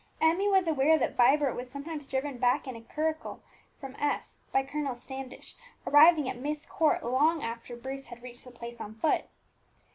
Emmie was aware that Vibert was sometimes driven back from S in a curricle by Colonel Standish, arriving at Myst Court long after Bruce had reached the place on foot.